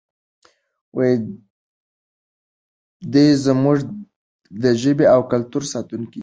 دی زموږ د ژبې او کلتور ساتونکی دی.